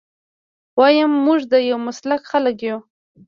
ويم موږ د يو مسلک خلک يو.